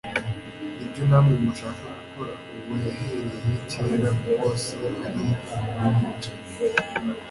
ni byo namwe mushaka gukora. Uwo yahereye kera kose ari umwicanyi,